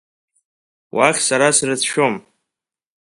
Уахь сара срыцәшәом…